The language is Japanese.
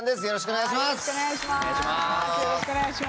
よろしくお願いします。